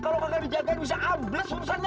kalo kagak dijagain bisa ambles urusannya